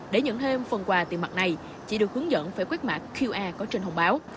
để nhận thêm phần quà tiền mặt này chị được hướng dẫn phải quét mã qr có trên thông báo